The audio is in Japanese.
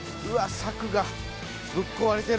柵がぶっ壊れてる。